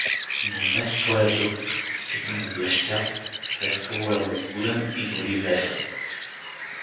Но днес той е друг: очите му блещят, трескаво е възбуден и дори весел.